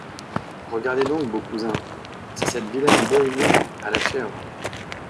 Regardez donc, beau cousin! c’est cette vilaine bohémienne à la chèvre !